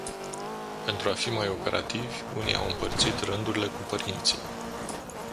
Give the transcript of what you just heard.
Pentru a fi mai operativi, unii au împărțit rândurile cu părinții.